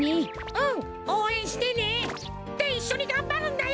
うんおうえんしてね。っていっしょにがんばるんだよ！